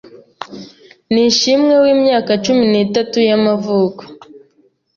Nishimwe w’imyaka cumi nitatu y’amavuko